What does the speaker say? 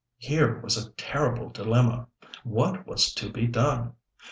Here was a terrible dilemma! What was to be done?